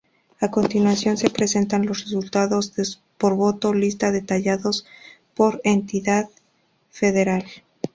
A continuación se presentan los resultados por voto lista detallados por entidad federal.